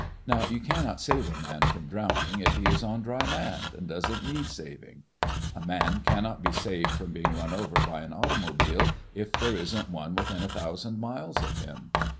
Now you cannot save a man from drowning if he is on dry land and doesn't need saving. A man cannot be saved from being run over by an automobile if there isn't one within a thousand miles of him.